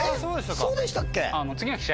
そうでしたっけ。